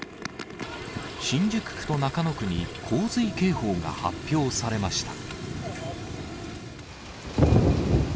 新宿区と中野区に洪水警報が発表されました。